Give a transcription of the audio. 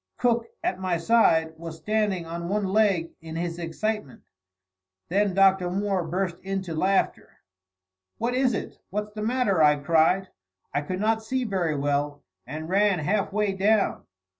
Cook, at my side, was standing on one leg in his excitement. Then Dr. Moore burst into laughter. "What is it? What's the matter?" I cried. I could not see very well, and ran half way down.